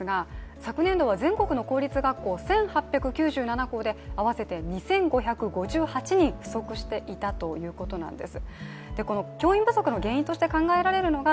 昨年度は全国の公立小中高、１８９７校で合わせて２５５８人不足しているということなんです。